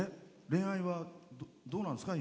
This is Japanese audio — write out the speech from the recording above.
恋愛はどうなんですか？